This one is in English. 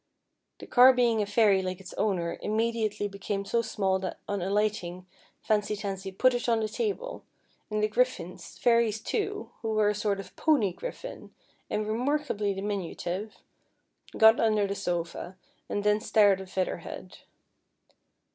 The car being a fairy like its owner, immediately became so small that on alighting, Fancy Tansy put it on the table ; and the griffins, fairies too, who were a sort of pony griffin, and remarkably diminutive, got under the sofa, and thence stared at Feather Head.